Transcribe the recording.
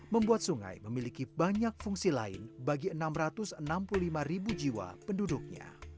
membuat sungai memiliki banyak fungsi lain bagi enam ratus enam puluh lima ribu jiwa penduduknya